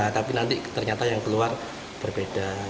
tapi nanti ternyata yang keluar berbeda